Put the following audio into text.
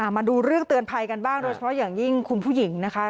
มาดูเรื่องเตือนภัยกันบ้างโดยเฉพาะอย่างยิ่งคุณผู้หญิงนะคะ